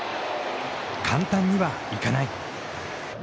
簡単にはいかない。